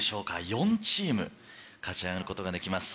４チーム勝ち上がることができます。